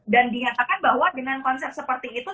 dan dinyatakan bahwa dengan konsep seperti itu